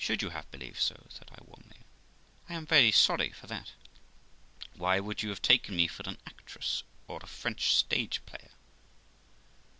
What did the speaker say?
'Should you have believed so?' said I warmly; 'I am very sorry for that. Why, would you have taken me for an actress, or a French stage player?'